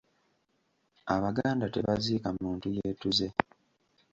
Abaganda tebaziika muntu yeetuze.